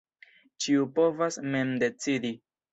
Ĉiu povas mem decidi.